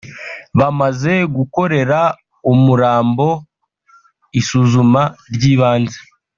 Bamaze gukorera umurambo isuzuma ry’ibanze